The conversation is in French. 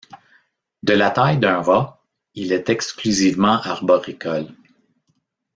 De la taille d'un rat, il est exclusivement arboricole.